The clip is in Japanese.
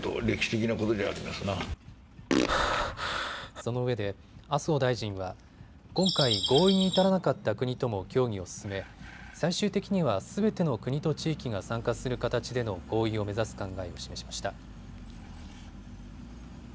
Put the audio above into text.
そのうえで麻生大臣は今回、合意に至らなかった国とも協議を進め最終的にはすべての国と地域が参加する形での合意を目指す考えを示しました。